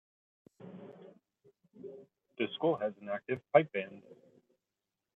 The school has an active pipe band.